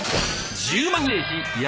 １０万円！